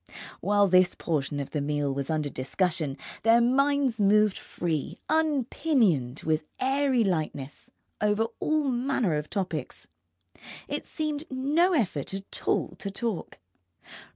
While this portion of the meal was under discussion their minds moved free, unpinioned, with airy lightness, over all manner of topics. It seemed no effort at all to talk.